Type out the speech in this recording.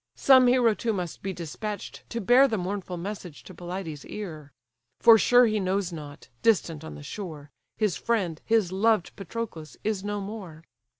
Some hero too must be despatch'd to bear The mournful message to Pelides' ear; For sure he knows not, distant on the shore, His friend, his loved Patroclus, is no more.